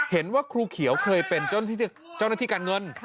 เห็นว่าครูเขียวเคยเป็นเจ้าหน้าที่การเงิน